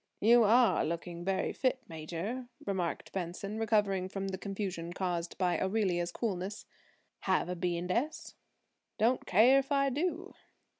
"You are looking very fit, Major," remarked Benson, recovering from the confusion caused by Aurelia's coolness. "Have a B. and S.?" "Don't care if I do."